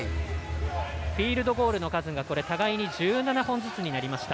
フィールドゴールの数が互いに１７本ずつになりました。